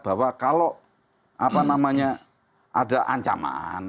bahwa kalau ada ancaman